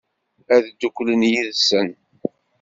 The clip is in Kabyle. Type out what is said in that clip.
Ad dduklen yid-sen?